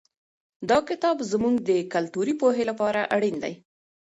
دا کتاب زموږ د کلتوري پوهې لپاره اړین دی.